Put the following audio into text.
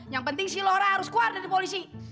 yang penting si lora harus keluar dari polisi